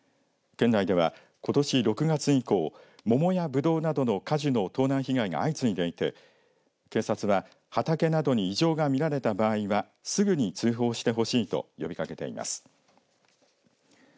県内ではことし６月以降桃やぶどうなどの果樹の盗難被害が相次いでいて警察は畑などに異常が見られた場合はすぐに通報してほしいと呼びかけています。